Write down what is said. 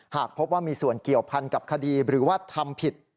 หากพบว่ามีส่วนเกี่ยวพันกับคดีหรือว่าทำผิด